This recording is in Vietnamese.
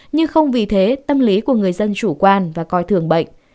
nhưng không vì thế tâm lý của người dân chủ quan và coi thường bệnh